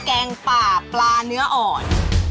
แกงป่าปลาเนื้ออ่อน